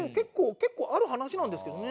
結構ある話なんですけどね。